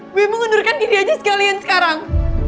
gue mau ngundurkan diri aja sekalian sekarang